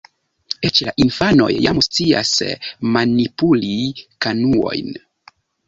Eĉ la infanoj jam scias manipuli kanuojn.